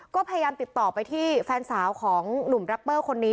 ก็พยายามติดต่อไปที่แฟนสาวของหนุ่มแรปเปอร์คนนี้